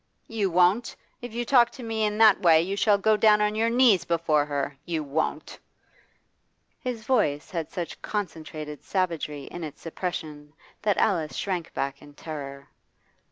'You won't? If you talk to me in that way you shall go down on your knees before her. You won't?' His voice had such concentrated savagery in its suppression that Alice shrank back in terror.